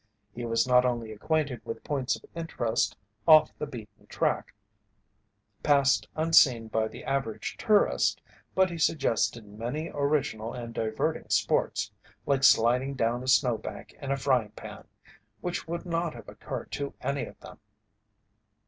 He was not only acquainted with points of interest off the beaten track passed unseen by the average tourist, but he suggested many original and diverting sports like sliding down a snowbank in a frying pan which would not have occurred to any of them.